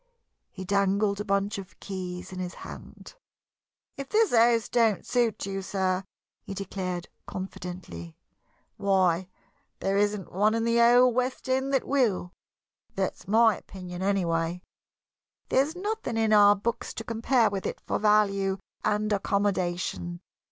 He dangled a bunch of keys in his hand. "If this house don't suit you, sir," he declared, confidently, "why, there isn't one in the whole west end that will. That's my opinion, anyway. There's nothing in our books to compare with it for value and accommodation.